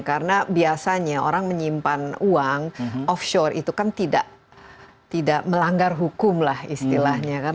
karena biasanya orang menyimpan uang offshore itu kan tidak melanggar hukum lah istilahnya kan